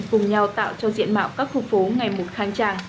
cùng nhau tạo cho diện mạo các khu phố ngày một kháng tràng